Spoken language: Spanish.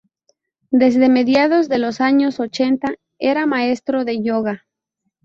Desde mediados de los años ochenta era maestro de yoga.